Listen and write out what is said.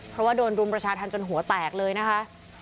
เพราะว่าโดนรุมประชาธรรมจนหัวแตกเลยนะคะ